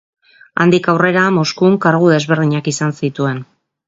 Handik aurrera, Moskun kargu desberdinak izan zituen.